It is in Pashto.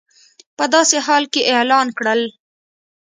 په داسې حال کې اعلان کړل